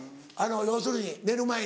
要するに寝る前に。